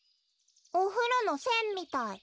おふろのせんみたい。